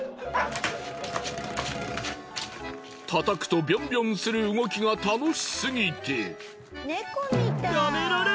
叩くとビョンビョンする動きが楽しすぎて。